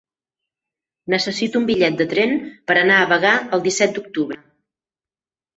Necessito un bitllet de tren per anar a Bagà el disset d'octubre.